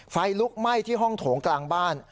ไฟลุกไหม้ที่ห้องโถงกลางบ้าน